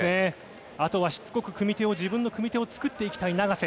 あとはしつこく組み手を、自分の組み手を作っていきたい永瀬。